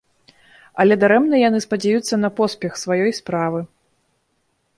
Але дарэмна яны спадзяюцца на поспех сваёй справы.